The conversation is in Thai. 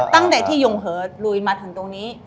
ตั้งแต่ที่ยงเหอลุยมาถึงตรงนี้